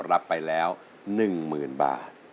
รับไปแล้ว๑หมื่นบาท